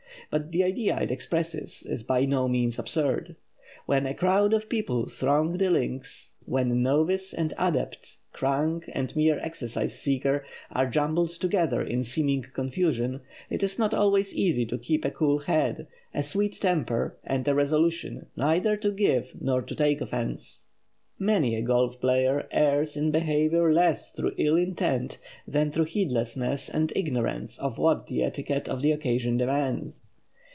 But the idea it expresses is by no means absurd. When a crowd of people throng the links—when novice and adept, crank and mere exercise seeker are jumbled together in seeming confusion—it is not always easy to keep a cool head, a sweet temper and a resolution neither to give nor to take offense. Many a golf player errs in behavior less through ill intent than through heedlessness and ignorance of what the etiquette of the occasion demands.